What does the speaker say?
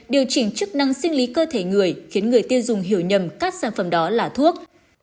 điều chỉnh chức năng sinh lý cơ thể người khiến người tiêu dùng hiểu nhầm các sản phẩm đó là thuốc